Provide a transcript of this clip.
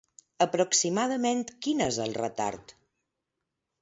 Aproximadament quin és el retard?